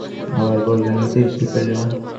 আবার বললেন, লতিফ, ভিতরে যাও।